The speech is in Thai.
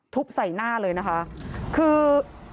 ใส่หน้าเลยนะคะคือ